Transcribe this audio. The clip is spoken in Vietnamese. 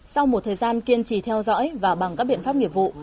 sau một thời gian kiên trì theo dõi và bằng các biện pháp nghiệp vụ